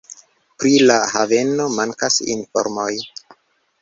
Pri la haveno mankas informoj.